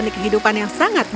aku juga membantu kuatkan tanganmu